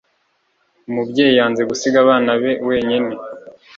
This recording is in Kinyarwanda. umubyeyi yanze gusiga abana be wenyine